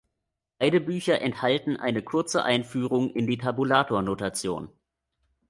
Beide Bücher enthalten eine kurze Einführung in die Tabulatur-Notation.